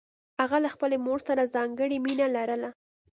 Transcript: هغه له خپلې مور سره ځانګړې مینه لرله